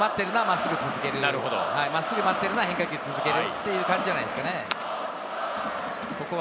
変化球を待ってるなら真っすぐを続ける、真っすぐ待ってるなら変化球を続けるって感じじゃないですかね。